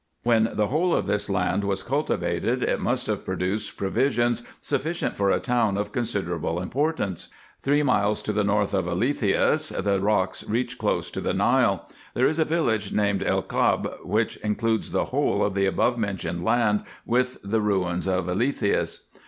When the whole of this land was cultivated, it must have produced provisions sufficient for a town of considerable importance. Three miles to the north of Elethias the rocks reach close to the Nile. There is a village named El Khab, which includes the whole of the above mentioned land, with the ruins of Elethias.